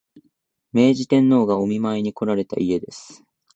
明治天皇がお見舞いにこられた家です